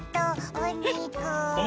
おにくも！